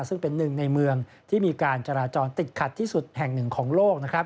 ซึ่งเป็นหนึ่งในเมืองที่มีการจราจรติดขัดที่สุดแห่งหนึ่งของโลกนะครับ